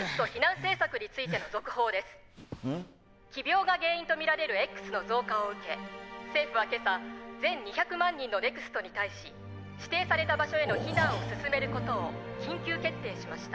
「奇病が原因と見られるＸの増加を受け政府は今朝全２００万人のＮＥＸＴに対し指定された場所への避難を進めることを緊急決定しました。